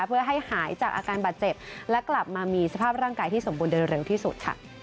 เพื่อให้หายจากอาการบาดเจ็บและกลับมามีสภาพร่างกายที่สมบูรณโดยเร็วที่สุดค่ะ